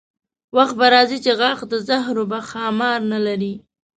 وخت به راځي چې غاښ د زهرو به ښامار نه لري.